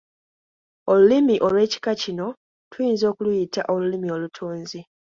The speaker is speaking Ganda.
Olulimi olw'ekika kino tuyinza okuluyita olulimi olutunzi.